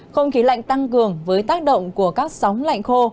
không khí lạnh tăng cường với tác động của các sóng lạnh khô